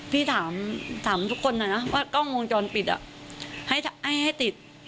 พี่ถามถามทุกคนนะว่ากล้องวงจรปิดอ่ะให้ให้ติด